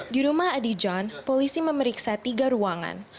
di rumah adi john polisi memeriksa tiga ruangan